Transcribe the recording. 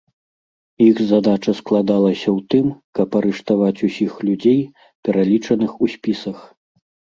Іх задача складалася ў тым, каб арыштаваць усіх людзей, пералічаных у спісах.